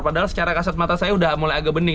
padahal secara kasat mata saya udah mulai agak bening